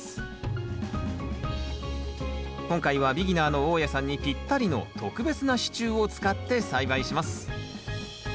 今回はビギナーの大家さんにぴったりの特別な支柱を使って栽培します